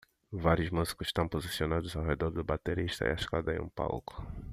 Vários músicos estão posicionados ao redor do baterista e a escada em um palco